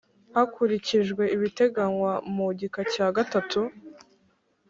Hakurikijwe ibiteganywa mu gika cya gatatu